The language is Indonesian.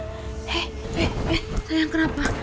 hei hei hei sayang kenapa